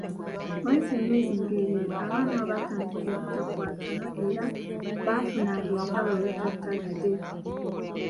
Nga wayise emyezi nga ebiri, abaana abo baatandika obutakwatana era baafunanga entalo olutatadde.